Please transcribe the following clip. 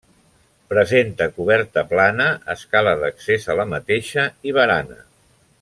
Presenta coberta plana, escala d'accés a la mateixa i barana.